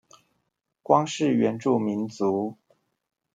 光是原住民族